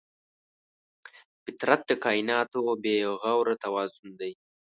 فطرت د کایناتو بېغوره توازن دی.